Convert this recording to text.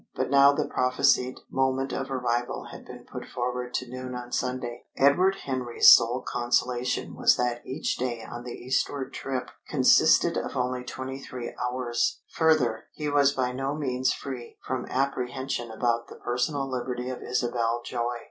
But now the prophesied moment of arrival had been put forward to noon on Sunday. Edward Henry's sole consolation was that each day on the eastward trip consisted of only twenty three hours. Further, he was by no means free from apprehension about the personal liberty of Isabel Joy.